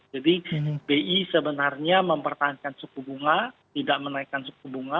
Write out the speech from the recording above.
jadi bi sebenarnya mempertahankan suku bunga tidak menaikkan suku bunga